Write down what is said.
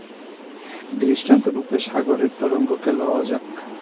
দৃষ্টান্তরূপে সাগরের তরঙ্গকে লওয়া যাক।